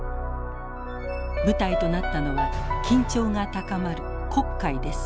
舞台となったのは緊張が高まる黒海です。